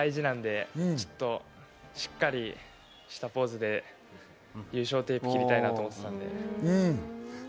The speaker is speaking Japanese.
ちょっと三冠大事なので、ちょっとしっかりしたポーズで優勝テープ、切りたいなと思ってたので。